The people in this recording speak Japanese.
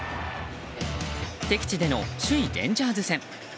敵地での首位レンジャーズ戦。